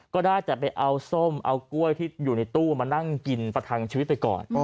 ก็ได้แต่ไปเอาส้มเอากล้วยที่อยู่ในตู้มานั่งกินประทังชีวิตไปก่อน